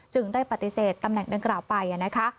จึงได้ปฏิเสธตำแหน่งเดินกล่าวไป